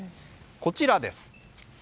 こちらです。